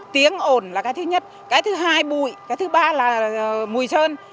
tiếng ồn là cái thứ nhất cái thứ hai bụi cái thứ ba là mùi sơn